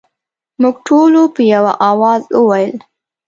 موږ ټولو په یوه اواز وویل.